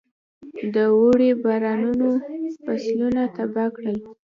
د اوړي بارانونو فصلونه تباه کړل.